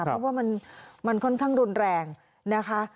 เพราะว่ามันค่อนข้างรุนแรงนะคะ